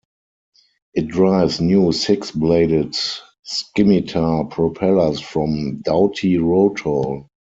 It drives new six-bladed scimitar propellers from Dowty Rotol.